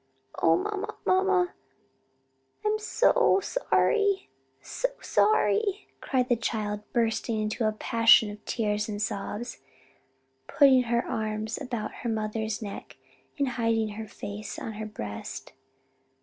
"O, mamma, mamma, I'm so sorry, so sorry!" cried the child, bursting into a passion of tears and sobs, putting her arms about her mother's neck and hiding her face on her breast.